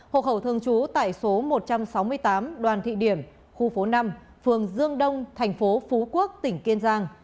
hộ khẩu thương chú tại số một trăm sáu mươi tám đoàn thị điển khu phố năm phường dương đông thành phố phú quốc tỉnh kiên giang